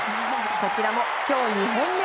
こちらも今日２本目。